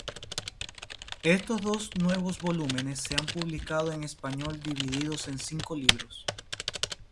Estos dos nuevos volúmenes se han publicado en español divididos en cinco libros.